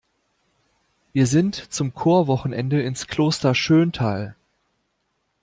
Wir sind zum Chorwochenende ins Kloster Schöntal.